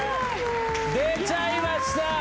出ちゃいました！